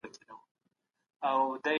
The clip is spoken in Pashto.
تولیدي ظرفیت باید په هره کچه لوړ سي.